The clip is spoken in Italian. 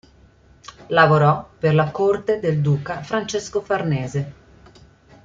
Lavorò per la corte del Duca Francesco Farnese.